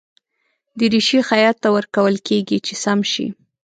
دریشي خیاط ته ورکول کېږي چې سم شي.